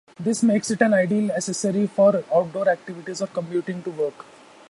This makes it an ideal accessory for outdoor activities or commuting to work.